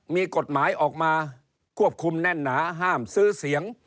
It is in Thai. มีกฎหมายออกมาควบคุมแน่นหนาห้ามซื้อเสียง